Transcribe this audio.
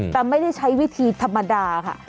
แต่ไม่ได้ใช้วิธีธรรมดาค่ะ